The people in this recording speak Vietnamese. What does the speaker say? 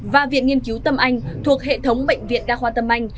và viện nghiên cứu tâm anh thuộc hệ thống bệnh viện đa khoa tâm anh